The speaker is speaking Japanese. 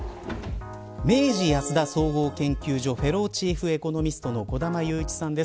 明治安田総合研究所フェローチーフエコノミストの小玉祐一さんです。